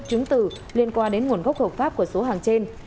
chứng tử liên quan đến nguồn gốc hợp pháp của số hàng trên